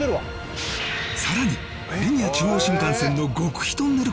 さらにリニア中央新幹線の極秘トンネル工事現場へ